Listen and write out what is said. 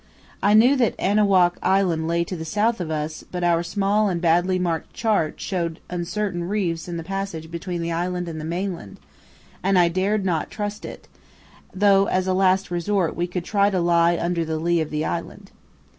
I knew that Annewkow Island lay to the south of us, but our small and badly marked chart showed uncertain reefs in the passage between the island and the mainland, and I dared not trust it, though as a last resort we could try to lie under the lee of the island.